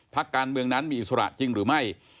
พักการเมืองนั้นมีอิสระจริงหรือไม่